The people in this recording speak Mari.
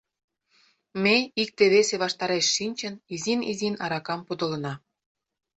Ме, икте-весе ваштареш шинчын, изин-изин аракам подылына.